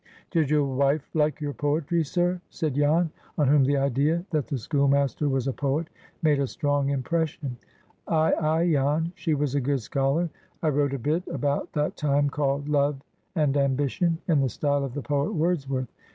"Did your wife like your poetry, sir?" said Jan, on whom the idea that the schoolmaster was a poet made a strong impression. "Ay, ay, Jan. She was a good scholar. I wrote a bit about that time called Love and Ambition, in the style of the poet Wordsworth.